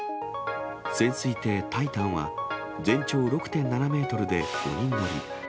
潜水艇タイタンは、全長６．７メートルで５人乗り。